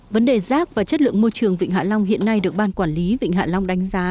vấn đề rác và chất lượng môi trường vịnh hạ long hiện nay được ban quản lý vịnh hạ long đánh giá